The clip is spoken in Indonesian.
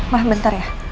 ma bentar ya